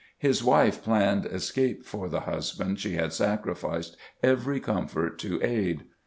His wife planned escape for the husband she had sacrificed every comfort to aid.